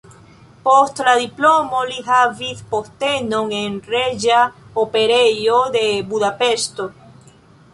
Post la diplomo li havis postenon en Reĝa Operejo de Budapeŝto.